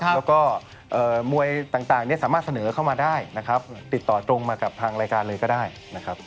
แล้วก็มวยต่างสามารถเสนอเข้ามาได้นะครับติดต่อตรงมากับทางรายการเลยก็ได้นะครับ